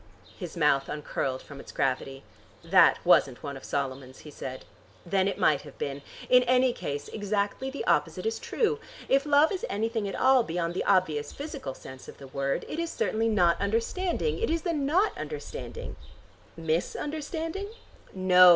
His mouth uncurled from its gravity. "That wasn't one of Solomon's," he said. "Then it might have been. In any case exactly the opposite is true. If love is anything at all beyond the obvious physical sense of the word, it is certainly not understanding. It is the not understanding " "Mis understanding?" "No.